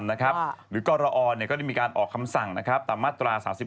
หรือกรอมีการออกคำสั่งตามมาตรา๓๙